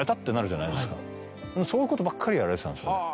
そういうことばっかりやられてたんですよね。